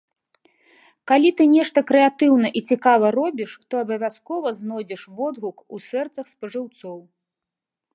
Калі ты нешта крэатыўна і цікава робіш, то абавязкова знойдзеш водгук у сэрцах спажыўцоў.